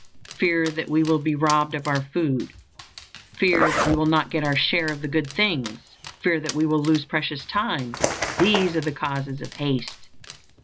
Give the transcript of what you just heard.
Fear that we will be robbed of our food; fear that we will not get our share of the good things; fear that we will lose precious time these are the causes of haste.